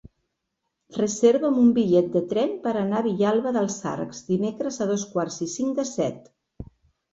Reserva'm un bitllet de tren per anar a Vilalba dels Arcs dimecres a dos quarts i cinc de set.